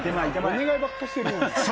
お願いばっかしてるよね。